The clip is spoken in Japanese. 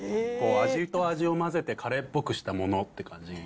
味と味を混ぜてカレーっぽくしたものって感じ。